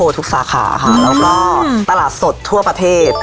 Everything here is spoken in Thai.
ทุกสาขาค่ะแล้วก็ตลาดสดทั่วประเทศ